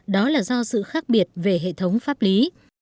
đó là do sự khác biệt về hệ thống pháp lý